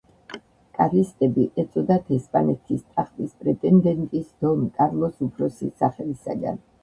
კარლისტები ეწოდათ ესპანეთის ტახტის პრეტენდენტის დონ კარლოს უფროსის სახელისაგან.